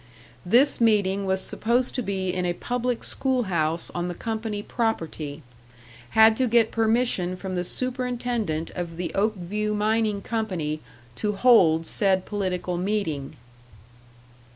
This meeting was supposed to be in a public school house on the company property. Had to get permission from the superintendent of the Oakview mining Company to hold said political meeting."....